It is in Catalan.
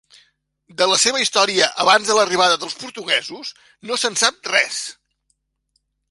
De la seva història abans de l'arribada dels portuguesos no se'n sap res.